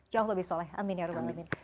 jauh lebih soleh amin ya rabbal'alamin